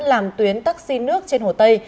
làm tuyến taxi nước trên hồ tây